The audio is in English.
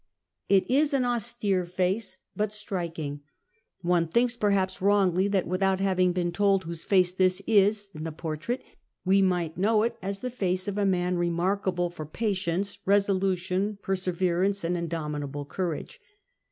It is an austere face, but striking. One thinks, perhaps wrongly, that without having been told whose face this is, in the |)ortrait, we might know it as the face of a man remarkable for patience, resolu tion, perseverance, and indomitable courage.